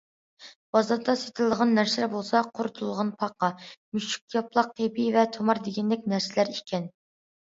بازاردا سېتىلىدىغان نەرسىلەر بولسا قۇرۇتۇلغان پاقا، مۈشۈكياپىلاق پېيى ۋە تۇمار دېگەندەك نەرسىلەر ئىكەن.